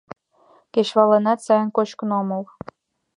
Кечывалланат сайын кочкын омыл.